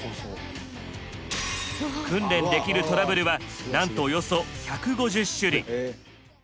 訓練できるトラブルはなんとおよそ１５０種類！